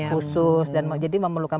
khusus jadi memang memerlukan